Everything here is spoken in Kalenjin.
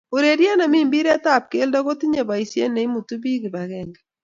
urerie ne bi mpiret ab kelto ko tinye boisie ne imutuu biik kibakenge.